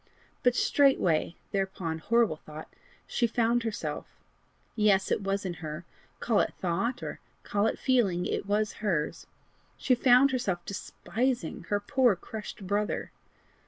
But straightway thereupon horrible thought! she found herself yes! it was in her call it thought, or call it feeling, it was hers! she found herself despising her poor crushed brother!